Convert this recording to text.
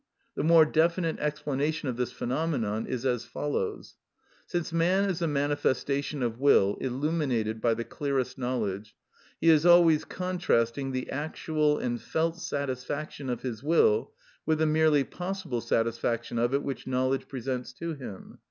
The more definite explanation of this phenomenon is as follows:—Since man is a manifestation of will illuminated by the clearest knowledge, he is always contrasting the actual and felt satisfaction of his will with the merely possible satisfaction of it which knowledge presents to him.